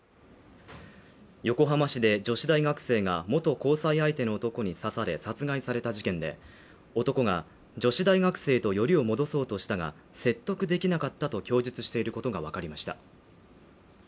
横浜市で女子大学生が元交際相手の男に刺され殺害された事件で、男が女子大学生とよりを戻そうとしたが、説得できなかったと供述していることがわかりました。